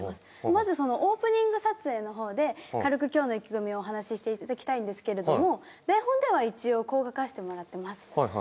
まずそのオープニング撮影の方で軽く今日の意気込みをお話しして頂きたいんですけれども。台本では一応こう書かせてもらってます。